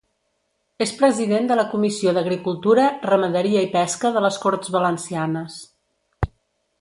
És president de la Comissió d'Agricultura, Ramaderia i Pesca de les Corts Valencianes.